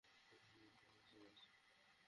ব্যাপারটা বুঝতে পেরেছ, জ্যাক?